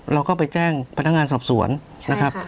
เราก็ไปแจ้งพนักงานสอบสวนนะครับ